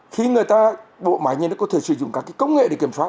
khi người ta bộ máy nhân có thể sử dụng các công nghệ để kiểm soát